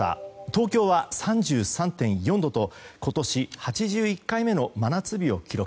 東京は３３．４度と今年８１回目の真夏日を記録。